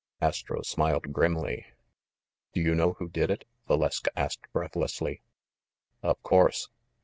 Astro smiled grimly. "Do you know who did it?" Valeska asked breath lessly. "Of course."